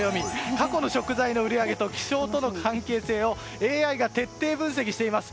過去の食材の売り上げと気象との関係性をＡＩが徹底分析しています。